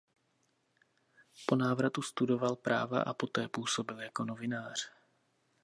Po návratu studoval práva a poté působil jako novinář.